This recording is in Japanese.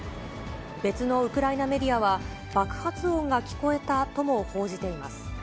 別のウクライナメディアは、爆発音が聞こえたとも報じています。